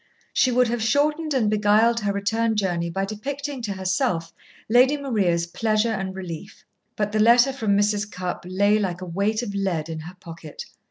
She would have shortened and beguiled her return journey by depicting to herself Lady Maria's pleasure and relief. But the letter from Mrs. Cupp lay like a weight of lead in her pocket.